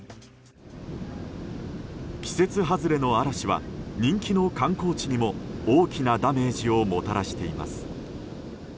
季節外れの嵐は人気の観光地にも大きなダメージをもたらしています。